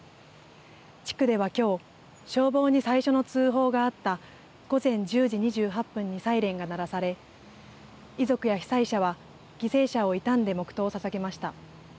地区では、きょう消防に最初の通報があった午前１０時２８分にサイレンが鳴らされ遺族や被災者は犠牲者を悼んで黙とうをささげました。